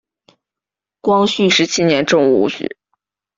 光绪十七年中武举。